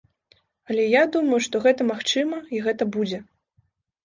Але я думаю, што гэта магчыма і гэта будзе.